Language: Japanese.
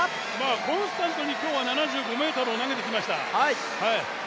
コンスタントに今日は７５ｍを投げてきました。